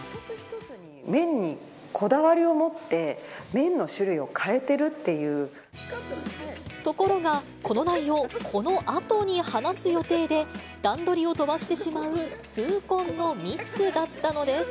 麺にこだわりを持って、ところが、この内容、このあとに話す予定で、段取りを飛ばしてしまう痛恨のミスだったのです。